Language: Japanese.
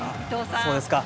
そうですか。